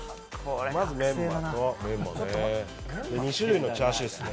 まずはメンマと２種類のチャーシューですね。